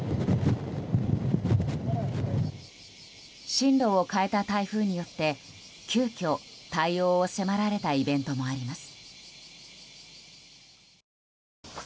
進路を変えた台風によって急きょ、対応を迫られたイベントもあります。